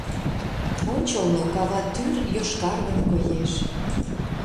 Ончылно кава тӱр йошкаргын коеш.